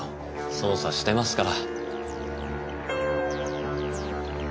捜査してますから。